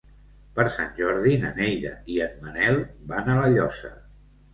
Per Sant Jordi na Neida i en Manel van a La Llosa.